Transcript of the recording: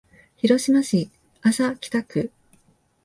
広島市安佐北区